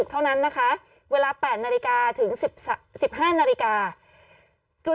กล้องกว้างอย่างเดียว